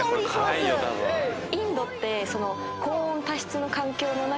インドって。